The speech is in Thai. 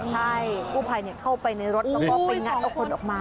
ใช่กู้ภัยเข้าไปในรถแล้วก็ไปงัดเอาคนออกมา